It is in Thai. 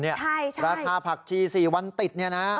ใช่ราคาผักชี๔วันติด